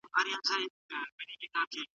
يو کارپوه دا حالت اندېښمنوونکی بولي.